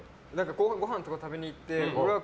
ごはんとか食べに行って。